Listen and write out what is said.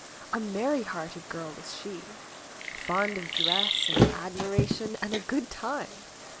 A merry hearted girl was she, fond of dress, and admiration, and a good time.